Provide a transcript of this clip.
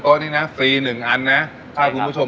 ก็เลยเริ่มต้นจากเป็นคนรักเส้น